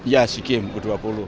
ya si game ke dua puluh